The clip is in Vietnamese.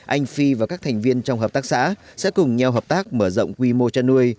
anh phi và các thành viên trong hợp tác xã sẽ cùng nhau hợp tác mở rộng quy mô chăn nuôi